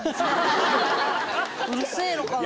うるせえのかなあ？